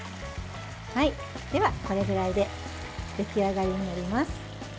では、これぐらいで出来上がりになります。